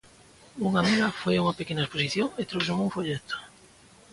Unha amiga foi a unha pequena exposición e tróuxome un folleto.